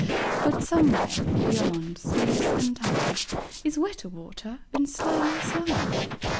But somewhere, beyond Space and Time. Is wetter water, slimier slime!